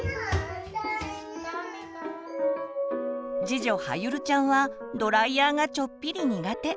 次女はゆるちゃんはドライヤーがちょっぴり苦手。